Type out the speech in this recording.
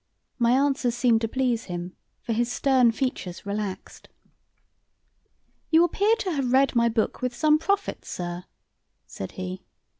My answers seemed to please him, for his stern features relaxed. "You appear to have read my book with some profit, sir," said he.